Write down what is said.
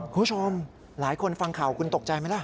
คุณผู้ชมหลายคนฟังข่าวคุณตกใจไหมล่ะ